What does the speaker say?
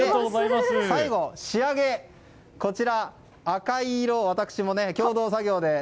最後、仕上げ、赤い色を私も共同作業で。